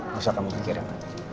gak usah kamu pikirin